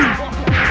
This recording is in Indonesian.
ini adalah shikibu